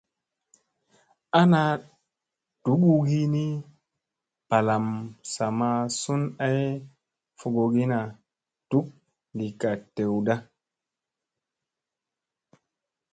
Ana dugugi ni balam sa ma sun ay fogogina duk ngikka dewda.